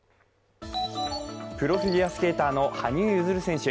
プロフィギュアスケーターの羽生結弦選手。